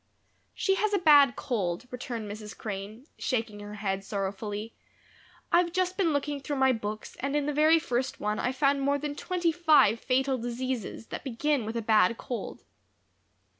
"She has a bad cold," returned Mrs. Crane, shaking her head, sorrowfully. "I've just been looking through my books, and in the very first one I found more than twenty five fatal diseases that begin with a bad cold."